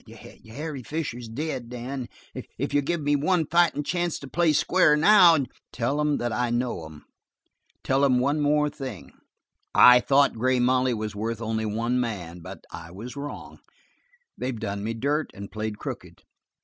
"Harry Fisher's dead, Dan, if you'll give me one fightin' chance to play square now " "Tell 'em that I know 'em. Tell 'em one thing more. I thought Grey Molly was worth only one man. But I was wrong. They've done me dirt and played crooked.